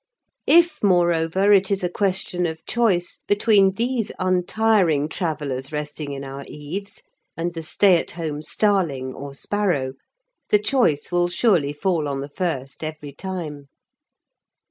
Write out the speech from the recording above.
If, moreover, it is a question of choice between these untiring travellers resting in our eaves and the stay at home starling or sparrow, the choice will surely fall on the first every time.